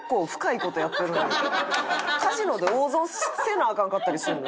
カジノで大損せなアカンかったりするの？